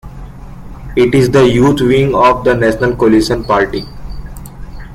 It is the youth wing of the National Coalition Party.